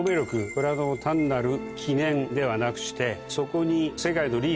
これは単なる記念ではなくしてそこに。